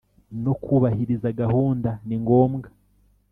no kubahiriza gahunda ni ngombwa